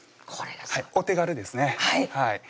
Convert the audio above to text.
お手軽ですねはい！